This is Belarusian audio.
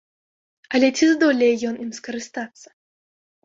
Але ці здолее ён ім скарыстацца?